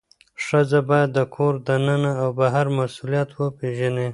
ښځه باید د کور دننه او بهر مسئولیت وپیژني.